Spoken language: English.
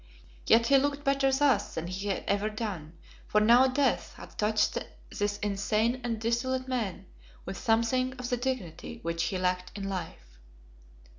Yet he looked better thus than he had ever done, for now death had touched this insane and dissolute man with something of the dignity which he lacked in life.